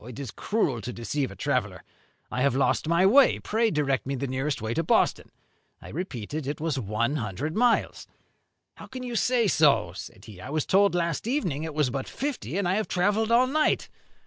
It is cruel to deceive a traveller. I have lost my way. Pray direct me the nearest way to Boston.' I repeated it was one hundred miles. 'How can you say so?' said he. 'I was told last evening it was but fifty, and I have travelled all night.'